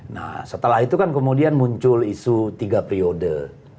nah setelah itu kan kemudian muncul isu tiga periode